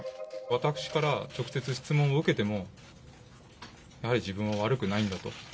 私から直接質問を受けても、やはり自分は悪くないんだと。